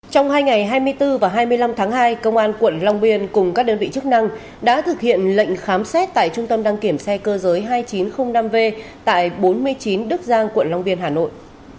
trong hai ngày hai mươi bốn và hai mươi năm tháng hai công an quận long biên cùng các đơn vị chức năng đã thực hiện lệnh khám xét tại trung tâm đăng kiểm xe cơ giới hai nghìn chín trăm linh năm v tại bốn mươi chín đức giang quận long biên hà nội